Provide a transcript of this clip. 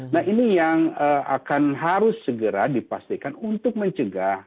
nah ini yang akan harus segera dipastikan untuk mencegah